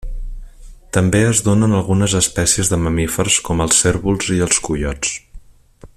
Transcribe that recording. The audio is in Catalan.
També es donen algunes espècies de mamífers com els cérvols i els coiots.